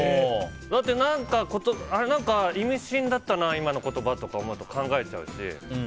だって、意味深だったな今の言葉とか思うと考えちゃうし。